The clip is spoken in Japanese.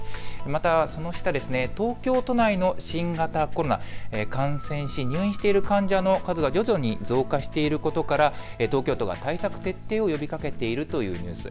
またその下、東京都内の新型コロナ感染し入院している患者の数が徐々に増加していることから東京都は対策徹底を呼びかけているというニュース。